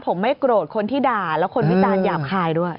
ผมไม่โกรธคนที่ด่าแล้วคนวิจารณหยาบคายด้วย